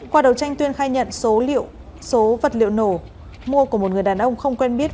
qua đầu tranh tuyên khai nhận số vật liệu nổ mua của một người đàn ông không quen biết